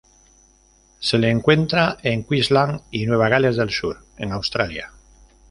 Se le encuentra en Queensland, y Nueva Gales del Sur en Australia.